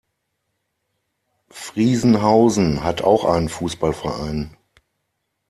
Friesenhausen hat auch einen Fußballverein.